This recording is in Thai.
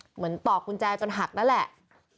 เหมือนตอกกุญแจจนหักนั่นแหละ